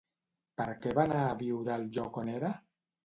Per què va anar a viure al lloc on era?